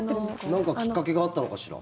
何かきっかけがあったのかしら？